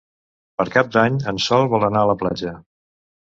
Per Cap d'Any en Sol vol anar a la platja.